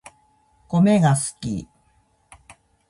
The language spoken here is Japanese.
コメが好き